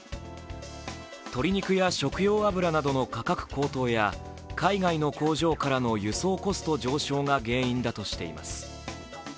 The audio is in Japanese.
鶏肉や食用油などの価格高騰や海外の工場からの輸送コスト上昇が原因だとしています。